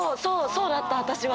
そうだった私は。